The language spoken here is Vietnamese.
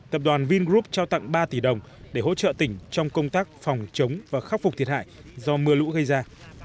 tập đoàn vingroup trao tặng ba tỷ đồng để hỗ trợ tỉnh trong công tác phòng chống và khắc phục thiệt hại do mưa lũ gây ra